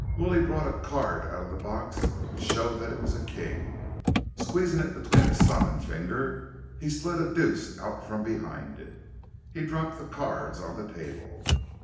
Willie brought a card out of the box and showed that it was a king. Squeezing it between his thumb and finger, he slid a deuce out from behind it. He dropped the cards on the table.